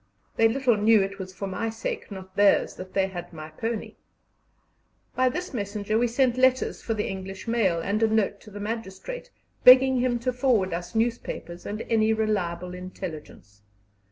They little knew it was for my sake, not theirs, that they had my pony. By this messenger we sent letters for the English mail, and a note to the magistrate, begging him to forward us newspapers and any reliable intelligence.